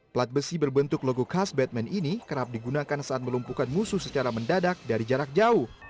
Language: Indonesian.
plat besi berbentuk logo khas batman ini kerap digunakan saat melumpuhkan musuh secara mendadak dari jarak jauh